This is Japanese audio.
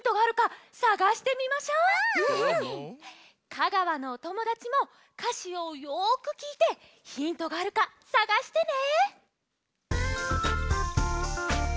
香川のおともだちもかしをよくきいてヒントがあるかさがしてね！